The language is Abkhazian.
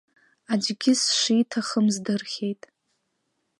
Аӡәгьы сшиҭахым здырхьеит…